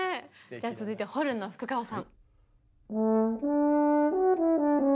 じゃあ続いてホルンの福川さん。